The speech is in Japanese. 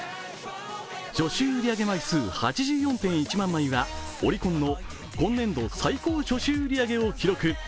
初週売り上げ枚数８４．１万枚はオリコンの今年度最高初週売り上げを記録。